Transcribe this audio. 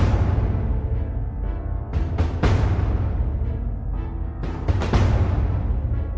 โปรดติดตามตอนต่อไป